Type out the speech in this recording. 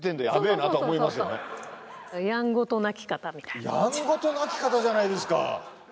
僕はやっぱやんごとなき方じゃないですか！